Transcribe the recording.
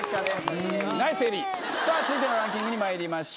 さぁ続いてのランキングにまいりましょう。